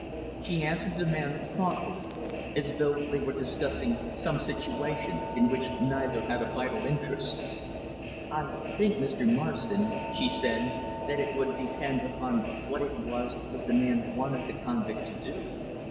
She answered the man, thoughtfully as though they were discussing some situation in which neither had a vital interest. "I think, Mr. Marston," she said, "that it would depend upon what it was that the man wanted the convict to do.